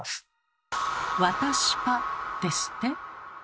「私ぱ」ですって？